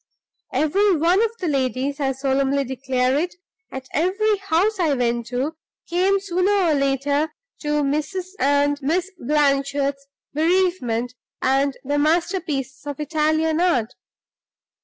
Every one of the ladies I solemnly declare it at every house I went to, came sooner or later to Mrs. and Miss Blanchard's bereavement and the masterpieces of Italian art.